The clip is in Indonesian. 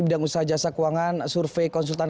bidang usaha jasa keuangan survei konsultan